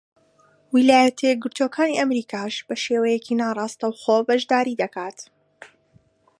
ویلایەتە یەکگرتووەکانی ئەمریکاش بە شێوەیەکی ناڕاستەوخۆ بەشداری دەکات.